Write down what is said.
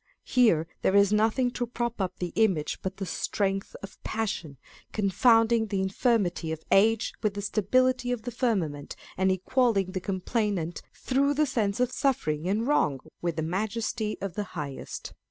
Here there is nothing to prop up the image but the strength of passion, confounding the infirmity of age with the stability of the firmament, and equalling the complainant, through the sense of suffering and wrong, with the Majesty of the Highest.